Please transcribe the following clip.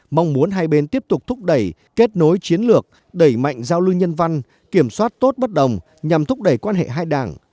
mong muốn hai bên tiếp tục thúc đẩy kết nối chiến lược đẩy mạnh giao lưu nhân văn kiểm soát tốt bất đồng nhằm thúc đẩy quan hệ hai đảng